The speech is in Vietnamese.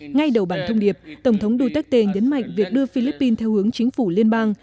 ngay đầu bản thông điệp tổng thống duterte nhấn mạnh việc đưa philippines theo hướng chính phủ liên bang